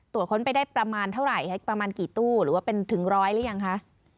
ตรวจท้นไปได้ประมาณเท่าไหร่หรือกิตั้วทั้งร้อยหรือยังค่ะ